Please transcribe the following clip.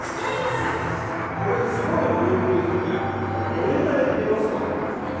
どれぐらい出ますか？